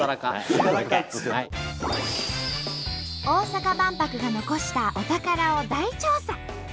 大阪万博が残したお宝を大調査！